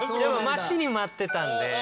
待ちに待ってたんで。